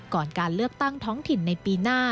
ก่อนการเลือกตั้งท้องถิ่นในปีหน้า